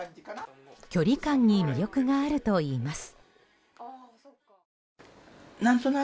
距離感に魅力があるといいます。